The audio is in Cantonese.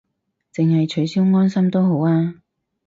淨係取消安心都好吖